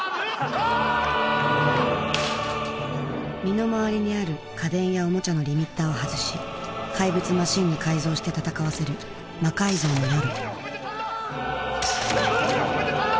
身の回りにある家電やおもちゃのリミッターを外し怪物マシンに改造して戦わせる「魔改造の夜」